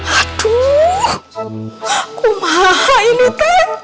aduh kumaha ini ten